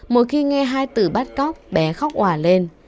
mỗi khi nghe hai từ bắt cóc bé khóc quả lên